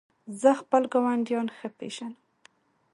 زه خپل ګاونډیان ښه پېژنم.